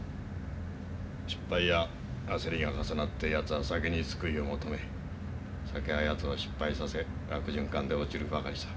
失敗や焦りが重なってやつは酒に救いを求め酒はやつを失敗させ悪循環で落ちるばかりさ。